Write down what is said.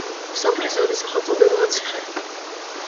სოფლის ძველი სახელწოდებაა ციხე.